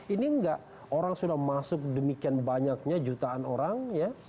ini enggak orang sudah masuk demikian banyaknya jutaan orang ya